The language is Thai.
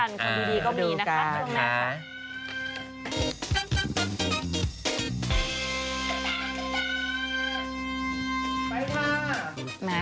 ดีก็มีนะคะช่วงหน้าค่ะ